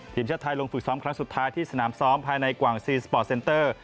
ทีมชาติไทยลงฝึกซ้อมครั้งสุดท้ายที่สนามซ้อมภายในกว่างซีนสปอร์ตเซนเตอร์